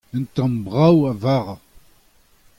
Un tamm brav a vara.